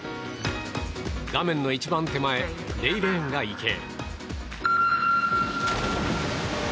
画面の一番手前０レーンが池江。